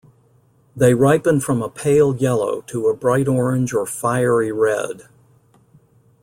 They ripen from a pale yellow to a bright orange or fiery red.